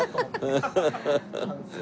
アハハハ。